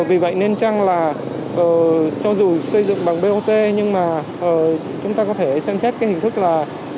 vì vậy nên chăng là cho dù xây dựng bằng bot nhưng mà chúng ta có thể xem xét cái hình thức là